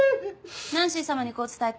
ナンシーさまにこう伝えて。